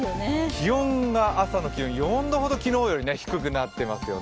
気温が朝の気温、４度ほど昨日より低くなっていますよね。